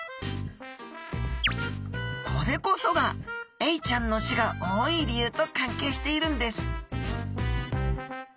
これこそがエイちゃんの種が多い理由と関係しているんです！